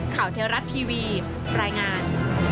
ข่าวเท่ารัดทีวีปรายงาน